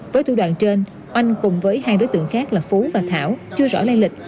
với thủ đoạn trên oanh cùng với hai đối tượng khác là phú và thảo chưa rõ lây lịch